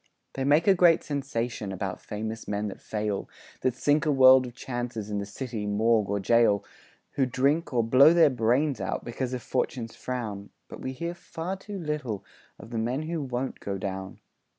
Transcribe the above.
They make a great sensation About famous men that fail, That sink a world of chances In the city morgue or gaol, Who drink, or blow their brains out, Because of "Fortune's frown". But we hear far too little Of the men who won't go down.